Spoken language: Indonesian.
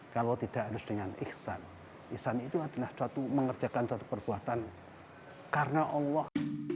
kalau tidak harus dengan iksan iksan itu adalah suatu mengerjakan suatu perbuatan karena allah